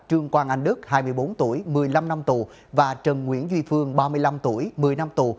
trương quang anh đức hai mươi bốn tuổi một mươi năm năm tù và trần nguyễn duy phương ba mươi năm tuổi một mươi năm tù